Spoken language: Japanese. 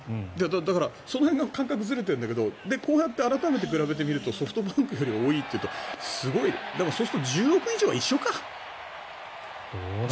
だから、その辺が感覚がずれてるんだけどこうやって改めて比べてみるとソフトバンクより多いというとすごいでも、そうすると１０億円以上は一緒か。